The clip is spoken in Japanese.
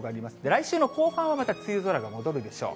来週の後半はまた梅雨空が戻るでしょう。